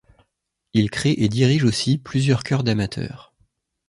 Il crée et dirige aussi plusieurs chœurs d'amateurs.